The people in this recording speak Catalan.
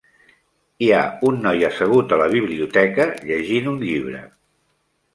Hi ha un noi assegut a la biblioteca, llegint un llibre.